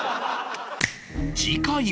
次回は